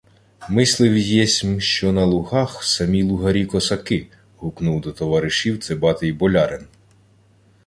— Мислив єсмь, що на Лугах самі лугарі-косаки! — гукнув до товаришів цибатий болярин.